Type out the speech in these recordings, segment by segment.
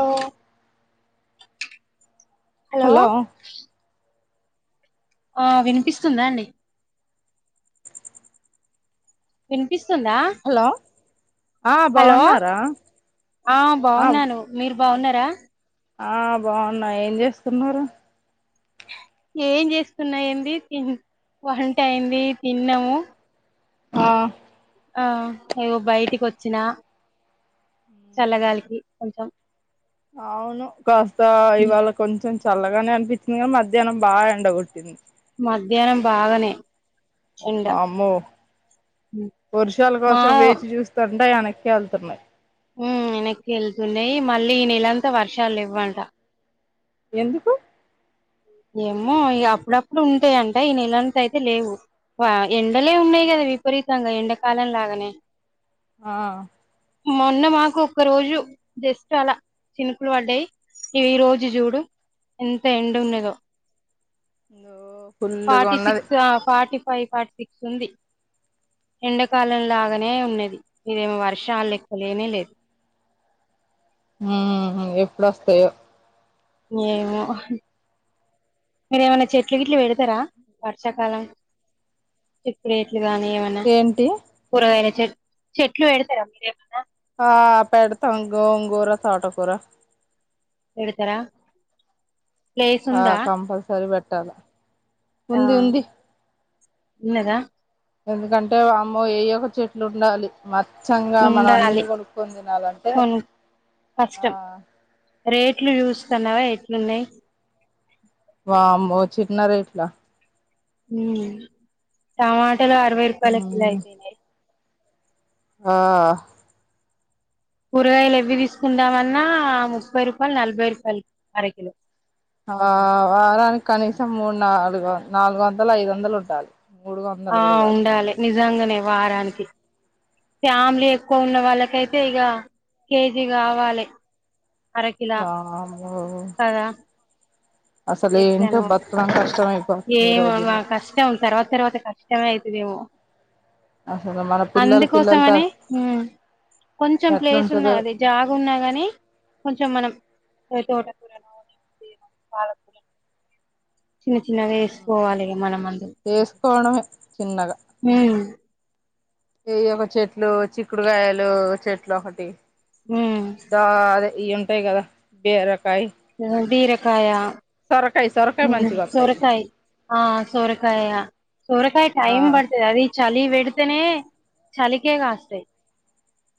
ఆ హలో ఆ వినిపిస్తుందా అండి వినిపిస్ స్తుందా హలో ఆ హలో బాగున్నారా ఆ బాగున్నాను మీరు బాగున్నారా ఆ బాగున్నా ఏం చేస్తున్నారు ఏం చేస్తున్న ఏంది తి వంట అయింది తిన్నాము ఆ ఆ ఇగో బయటికి వచ్చినా చల్లగాలికి కొంచెం అవును కాస్త ఇవాళ కొంచెం చల్లగానే అనిపించింది గానీ మధ్యాహ్నం బాగా ఎండగొట్టింది మధ్యాహ్నం బాగనే వామ్మో వరుషాల మా కోసం వేచి చూస్తారు ఎండకి ఎనక ఎళ్తున్నాయి మ్ ఎనకి ఎళ్తున్నాయి మళ్ళీ ఈ నెలంతా వర్షాలు లేవ్వంట ఎందుకు ఏమో ఇగా అప్పుడప్పుడు ఉంటాయంట ఈనెలంత అయితే లేవు ఎండలే ఉన్నాయి గదా విపరీతంగా ఎండ కాలం లాగనే ఆ మొన్న మాకు ఒక్క రోజు జస్ట్ అలా చినుకులు పడ్డయి ఈ రోజు చూడు ఎంత ఎండ ఉన్నదో ఫుల్లుగా ఫార్టీ ఉన్నది సిక్స్ ఆ ఫార్టీ ఫైవ్ ఫార్టీ సిక్స్ ఉంది ఎండాకాలంలాగానే ఉన్నది ఇదేమి వర్షాలు లేక్కలేనే లేదు ఉహు ఎప్పుడుస్తాయో ఏమో మీరు ఏమైన్నా చెట్లు గిట్లు పెడతారా వర్షాకాలం ఇప్పుడే చెలు గానీ ఏమన్నా ఏంటి కూరగాన చే చేట్లు పెడతారా మీరు ఏమన్నా ఆ పెడతం గొంగూర, తోట కూర పెడతరా ఆ కంపల్సరీ పెట్టాల ఆ తిన్నరా ఎందుకంటే వామ్మో ఏయో ఒక చెట్లు ఉండాలి మ స్చ్చంగా మనం అన్ని ఉండాలి కొనుక్కొని తినాలంటే కొను ఆ కష్టం రేట్లు చూస్తున్నావా ఎట్లున్నయి వామ్మో చిన్న రేట్లా ఉమ్ టమాటలు అరవై రూపాయలకు కిలో మ్మ్ అయిపెనయి ఆ కూరగాయలు ఎవ్వి తీసుకుందామన్నా ముప్పై రూపాయలు నలభై రూపాయలు అరకిలో ఆ వారానికి కనీసం మూడు నాలుగు వ నాలుగు వందలు ఐదు వందలు ఉండాలి మూడు ఆ వందలు కూడా కాదు ఉండాలి నిజంగనే వారానికి ఫ్యామిలీ ఎక్కువ ఉన్న వాళ్ళకైతే ఇగా కేజీ గావాలి అరకిలా ఓ కదా అసలు ఏంటో బతకటం కష్టమే ఏమొ మా కష్టం తర్వాత తర్వాత కష్టమే అవుతదేమో అసలే అందుకోసం మని మ్ కొంచెం ప్లేస్ ఉన్నా ఎట్లుంటదో అది జాగ ఉన్నా గాని కొంచెం మనం ఎ తోట కూరనో లేకుంటే పాల కూర చిన్న చిన్నగా ఎసుకోవాలి మనమందు చేసుకోవడమే మ్ ఎయో ఒక చెట్లు చిక్కుడుకాయలు చెట్లు ఒకటి ఉమ్ దా అదే ఇయ్యి ఉంటాయి కదా బిరకాయ్ బీరకాయ సొరకాయ మంచిగా వస్తాయిలే సోరకాయ ఆ సోరకాయ సోరకాయ ఆ టైమ్ బడుతది అది చలి పెడితేనే చలికే కాస్తాయి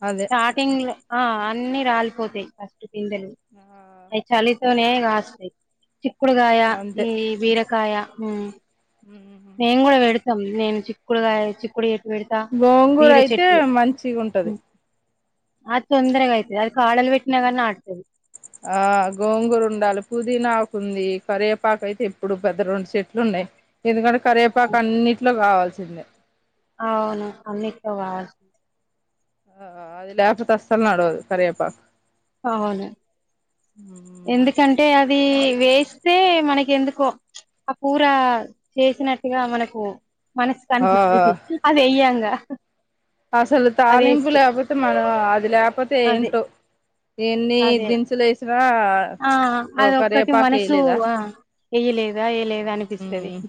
అదే స్టార్టింగ్ లో ఆ అన్నిీ రాలిపోతాయి ఫస్ట్ పిందలు ఆ అవి చలితోనే కాస్తాయి చిక్కుడు గయ ఈ బిరకయ మ్ మ్ తం నేను చిక్కుడుగా చిక్కుడు చెట్టు పెడుతా గోంగూర బీర అయితే చెట్లు మంచిగా ఉంటది అద్ తొందరగా అయితది అది కాడల్ పెట్నగని ఆడతది ఆ గోంగూర ఉండాలి పుదీనాకు ఉంది కరవేపాక అయితే ఎప్పుడు పెద్ద రెండు చెట్లు ఉం న్నాయ్ ఎందుకంటే కరివేపాక అన్నిట్లో కావాల్సిందే అవును అన్నిట్లో కావాల్ ఆ అది లేపోతే అస్తళ్ళు నడవదు కరివేపక్ అవును ఎందుకంటే అది వేస్తే మనక్ ఎందుకో ఆ కురా చేసినట్టుగా మనకు మనసు ఆ కనిపిస్తది అది అయ్యాంగా అసలు తాలింపు లేకపోతే మనం అది లేకపోతే అదే ఏంటో ఎన్ని అదే దినుసులు వేసినా ఆ ఒక రేపాకు వేయలేదా చెయ్యలేదు మ్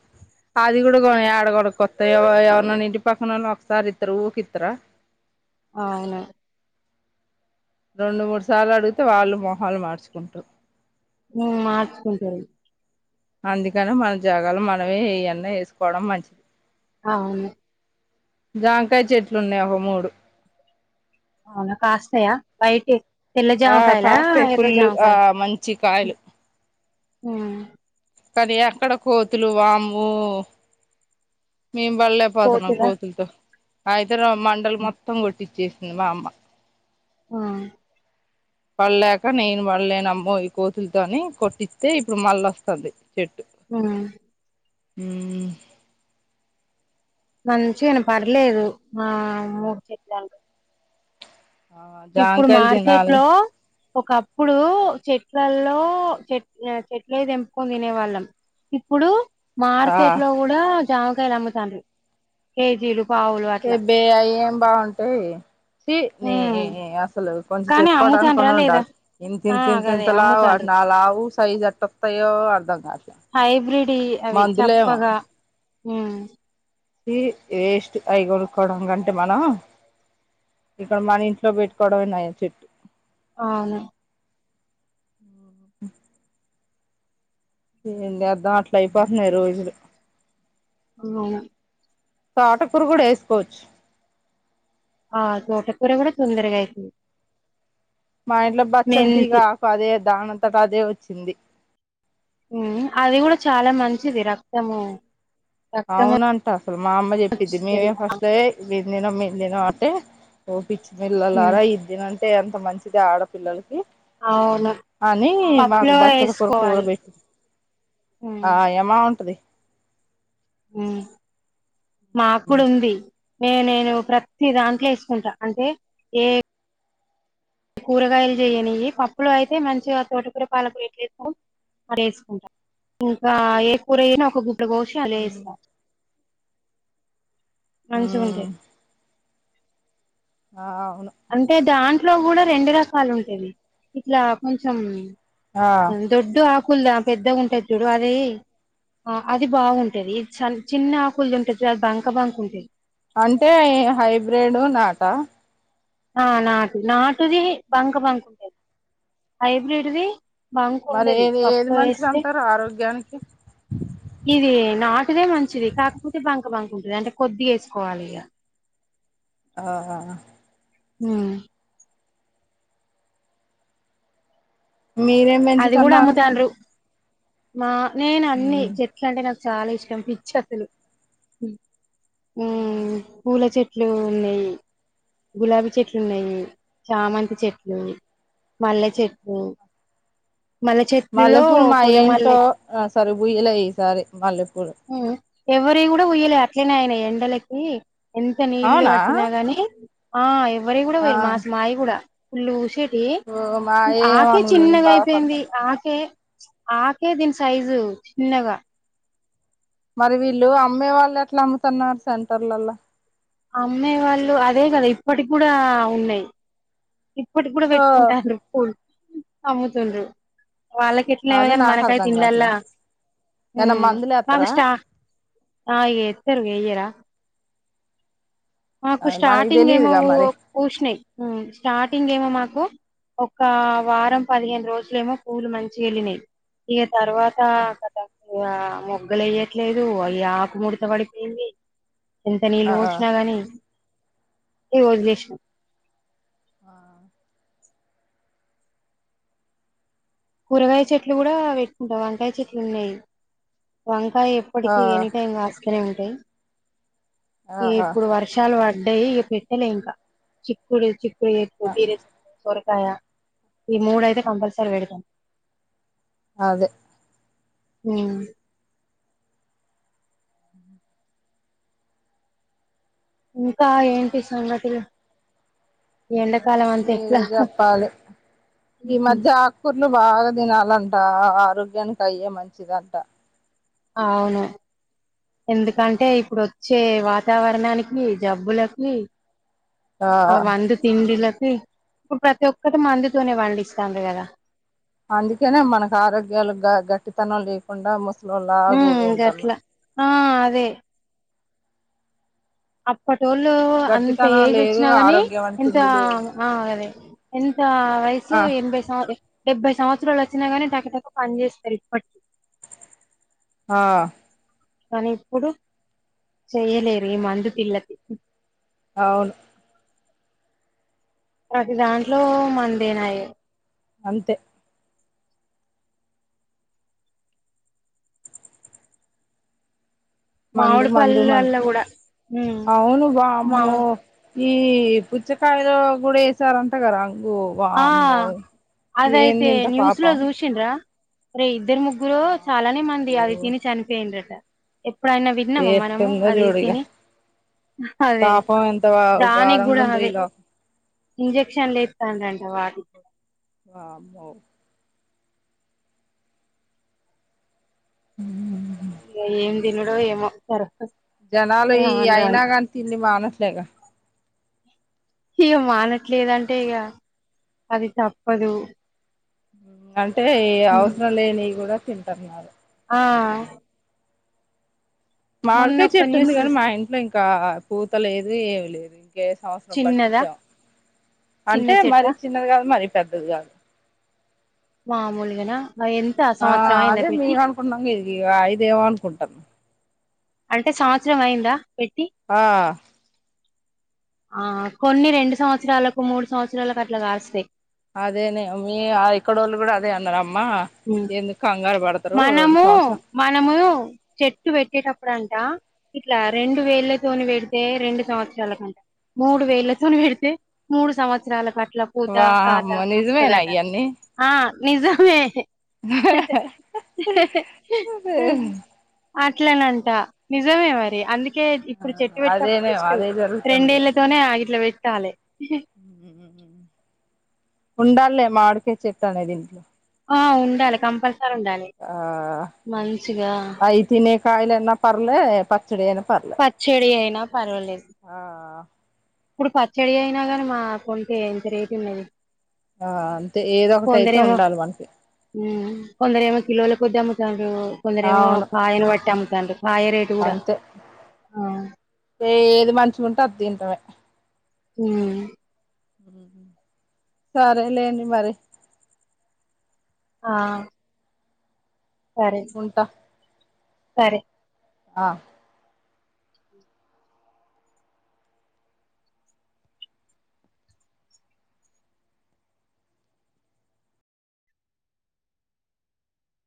అది కూడాగున్ యడ కొనుకోత్ ఎవర్ ఎవర్ని అన్న ఇంటి పక్కనోల్లాన్ ఒకసారి ఇతరు ఊక్ ఇత్తర అవును రెండు మూడు సార్ల అడిగితే వాళ్ళు మోహాలు మార్చుకుంటరు మ్ మార్చుకుంటరు అందుకనే మన జాగాల మనమే ఈయన్న వేసుకోవడం మంచిది అవును జంకాయ చెట్లు ఉన్నాయి ఒక మూడు అవునా కాస్తాయా వైటియ్ తెల్ల ఆ జామకాయలా కాస్తాయి ఎర్ర ఫుల్ ఆ జామకాయ మంచి కాయలు ఆ కానీ అక్కడ కోతులు వామ్మో మేం బళ్లేకపోతున్నాం కోతులా కోతులతో అయితే మండలు మొత్తం కొట్టిచ్చే మా అమ్మ ఆ పడలేక నేను పడలేనమ్మో ఈ కోతులతోని కొట్టిస్తే ఇప్పుడు మళ్ళ వస్తుంది చెట్టు ఆ మ్ మంచిగానే పర్లేదు ఆ మూడు చెట్లంటే ఆ ఇప్పుడు జాంకాయలు మార్కెట్ తినాలి లో ఒకప్పుడు చెట్లల్లో చెట్ చెట్లయి తెంపుకొని తినేవాళ్ళం ఇప్పుడు మార్కెట్ లో కూడా జామకాయలు అమ్ముతార్రు కేజీలు పావులు అట్లా రబ్బే అయ్యి ఏం బాగుంటాయి చి నీ ఉమ్ అస్ అసలు కొంచెం కానీ అమ్ముతాండ్రా చెప్పుకోవడానికును లేదా ఉండాలి ఇంత ఆ ఇంత గదే తీంతంత లావు అమ్ముతాండ్రు అసలు ఆ లావు సైజ్ ఎట్టోత్తయ్ య్యో అర్ధంకాదు హైబ్రిడ్ అవి చప్పగా వేస్ట్ అయి కొడుక్కకోవడం కంటే మనం ఇక మన ఇంట్లో పెట్టుకోవడంమే నయం చెట్టు అవుని ఏంచేద్దాం అట్ల అయిపోతున్నాయి రోజులు అవును తోటకూర కూడా వేసుకోచ్చు ఆ తోటకూర కూడ తొందరగ అయితుంది మా ఇంట్లో బచ్చల తీగ మెంతి అదే దానంతట అదే వచ్చింది అది కూడ చాలా మంచిది రక్తము రక్తము అవున అంట అసలు మా అమ్మ చెప్పిద్ది మేమే వస్తది ఫస్ట్ తిన దిన అంటే ఓ పిచ్చి పిల్లలార ఉమ్ ఇది తినంటే ఎంత మంచిది ఆడ పిల్లలకి అవును అని మాకు పప్పులో బచ్చల కూర వేసుకోవాలి పెట్టి ఉమ్ ఆ ఎమ ఉంటది మాకుడు ఉంది నే నేను ప్రతి దాంట్లో వేసుకుంటా అంటే ఏ కూరగాయలు చెయని పప్పులు అయితే మంచిగా తోటకూర పాలకుర అది వేసుకుంటారు ఇంకా ఏ కూర అయినా ఒక గుట్ట కోసి అది వేస్తారు మంచి ఉంటయ్ ఆ అవును అంటే దాంట్లో కూడ రెండు రకాలు ఉంటావి ఇట్ల కొంచం ఆ దొడ్డు ఆకుల్ ది పెద్దగా ఉంటది చూడు అదే ఆ అది బాగుంటది చిన్న ఆకులది ఉంటది చుడు అది బంక బంక ఉంటది అంటే హైబ్రిడ్ నాట ఆ నాటు నాటుది బంక బంక ఉండేది హైబ్రిడ్ది మరి ఏది ఏది మంచిది అంటారు ఆరోగ్యానికి ఇది నాటిదే మంచిది కాకపోతే బంక బంక ఉంటది అంటే కొద్ది వేసుకోవాలి ఇగ ఆ ఉ మీరేం అది కూడ పెంచుతున్నారు అమ్ముతంద్రు మా నేను అన్ని చెట్ల అంటే నాకు చాల ఇష్టం పిచ్చి అసలు పూల చె ట్లు ఉన్నాయి గులాబీ చెట్లు ఉన్నాయి చామంతి చెట్లు మల్లె చెట్లు మల్లె చెట్లులో మల్లెపూలు మా ఏంటో పొదమల్లె అసలు బుయ్యలే ఈసారి మల్లెపూలు ఎవరి కూడ ఉయ్యలే అట్లనే ఆయనయ్ ఎండలకి ఎంత నీళ్లు అవునా పట్టినా గాని ఆ ఎవ్వరి కూడ ఆ పోయరు మా మాయ కూడా పల్ళ ఊసేటి ఓ మా అ ఆకే ఏమను నేను చిన్నగా బాధపడతా అపోయింది ఆకే ఆకే దీని సైజు చిన్నగ మరి వీళ్ళు అమ్మే వాళ్ళు ఎట్ల అమ్ముతున్నారు సెంటర్లల అమ్మే వాళ్ళు అదే కదా ఇప్పటి కూడ ఉన్నయ్ ఇప్పటికీ కూడా ఓ పెట్టుకుంటారు పులు అమ్ముతుండు వాళ్ళకి ఎట్ల ఏమో అదే కానీ నాకు మనకైతే అర్థం ఇండ్లల కాట్లే ఏమన్నా మందులు ఎత్తరా [unintelligible] మాకు మనకి స్టార్టింగ్ ఏమో తెలీదుగా మరి పుషినాయి స్టార్టింగ్ ఏమో మా కు ఒక వారం పదిహేను రోజులు ఏమో పులు మంచి గ వెళ్ళినాయి తర్వాత కథ [unintelligible] మొగ్గలు ఏయట్లేదు అయి ఆకు ముడత పడిపోయింది, ఎంత నీళ్ళు ఆ పోసినా గని ఇగ వదిలేసిన ఆ కూరగాయ చెట్లు గుడా పెట్టుకుంటా, వంకాయ చెట్లు ఉన్నాయి, వం కాయ్ ఆ ఎప్పటికీ ఎనీ టైమ్ కాస్తనే ఉంటాయి, ఇగ ఆ ఇప్పుడు వర్షాలు వట్ డయ్ ఇగ పెట్టలే ఇంకా, చిక్కుడు చిక్కుడు ఎక్కు, బీర చెక్కు సోర కాయ ఈ మూడయితే కంపల్సరీ పెడతం. అదే ఉమ్ ఇంకా ఏంటి సంగతిలు. మీరే చెప్పాలి, ఈ మధ్య ఆక్కుర్లు బాగా తినాలన్ ట ఆ ఆరోగ్యానికి అయ్యే మంచిదంట. అవును, ఎందుకంటే ఆ ఇప్పుడు వచ్చే వాతావరణానికి, జబ్బులకి ఆ వందు తిండిలక్ ఇప్పుడు ప్రతి ఒక్కటి మందితోనే పండిస్తన్నారు కదా. అందుకేనే మనకు ఆరోగ్యాలు గ గట్టితనం లేకుండా మొత్ ట్లోలాగ ఉమ్ ఉంటాన్న గట్లా ఆ అదే అప్పటోళ్ళు అంత గట్టితనం ఏజ్ లేదు వచ్చినా గనీ, ఆరోగ్యం అని ఎంత తిండి లేదు అదే ఎం త వయసు ఆ ఎనభై సవరీ డెబ్బై సంవత్సరాలు వచ్చినా గనీ టక టక పని చేస్తారు ఇప్పటికి ఆ కానీ ఇప్పుడు చెయలేరు ఈ మందు పిల్ల అవును అది దాంట్లో మందేనాయే అంతే మందు మామిడి మందు మం, పళ్ళల్లో కూడా ఉమ్ అవును మా వామ్మో. ఈ పుచ్చకాయలో గుడ ఏసారంట గరా. ఆ ఏంది అదయితే ఇంత న్యూస్ లో పాపం చూసిండ్రా? రే ఇద్దరు ముగ్గురో ఆ చాలానే మంది అయ్యో అది తిని చనిపోయిండ్రట. ఎప్పుడైనా విన్నము మనము ఎట్టుందో అది చూడు ఇగ తిని అదే, పాపం ఎంత దానికి ఘోరంగా కూడా ఉందో ఈ అది లోకం ఇంజెక్షన్లు ఇస్తాంరంట వాటికి వామ్మో ఉమ్ దీనిలో ఏమో కరక్టు. జనాలు ఈ అయినా గని తిండి మానట్లేగా. ఇక మానట్లేదంటే ఇగ అది తప్పదు. అంటే ఈ అవసరం లేనియి గుడ తింటరున్నారు. ఆ మొన్న మాడికా ఒక చెట్టుంది న్యూస్ గనీ మా ఇంట్లో ఇంకా పూత లేదు, ఏమి లేదు చిన్నదా చిన్న అంటే చెట్ట మరి చిన్నది కాదు, మరి చదు గా మామూలుగానా ఆ, ఎంత ఆ సంవత్సరం అయిందా అదే పెట్టి మీవనుకున్నాం ఇది ఐదేమో అనుకుంటాం. అంటే సంవత్సరం అయిందా పెట్ ఆ ఆ కొన్ని రెండు సంవత్సరాలకు, మూడు సంవత్సరాలకు అట్ల కాస్తయి. అదేనే మీ ఆ ఇక్కడోళ్ళు కూడ అదే అన్నరమ్మా ఉమ్. ఎందుకు కంగారు పడత్ మనము మనము చెట్టు పెట్టేటప్పుడ అంట ఇట్లా రెండు వేళ్లతోని పెడితే రెండు సంవత్సరాలకంట మూడు వేళ్లతోని పెడితే మూడు సంవత్సరాలక అట్ల పూత కాత వామ్మో నిజమేనా వస్తదట ఇయన్నీ ఆ నిజమే. అట్లనంట నిజమే మరి అందుక్ కె ఇప్పుడు చెట్టు పెట్టుకో అదేనేమో జస్ట్ అదే రెండేళ్లతోనే ఆ ఇట్ల పెట్టాలె ఉండాల్లె మావిడికాయ్ చెట్ అనేది ఇంట్లో ఆ ఉండాలి కంపల్సరీ ఉండాలి ఆ మంచిగా అవి తినే కాయలన్నా పర్లే పచ్చడి అయినా పర్లే పచ్చడి అయినా పర్వాలేదు ఆ ఇప్పుడు పచ్చడి అయినా కానీ మా కొంటె ఎంత రేట్ ఉన్నది ఆ అంతే ఏదో ఒకటి అయితే కొందరేమో ఉండాలి మనకి మ్ కొందరేమో కిలోల కొద్ది అమ్ముతార్ ఇంగా కొందరేమో అవును కాయను పట్టి అమ్ముతాన్రు కాయ రేటు కూడ అంతే ఏది మంచిగుంటే అది తింటమే మ్ మ్ సరేలేండి మరి ఆ సరే ఉంటా సరే ఆ